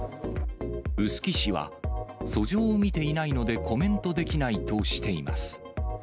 臼杵市は、訴状を見ていないのでコメントできないとしています。